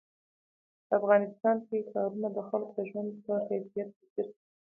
په افغانستان کې ښارونه د خلکو د ژوند په کیفیت تاثیر کوي.